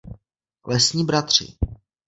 Lesní bratři.